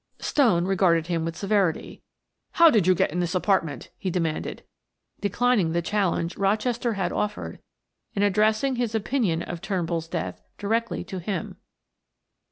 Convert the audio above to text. Stone regarded him with severity. "How did you get in this apartment?" he demanded, declining the challenge Rochester had offered in addressing his opinion of Turnbull's death directly to him.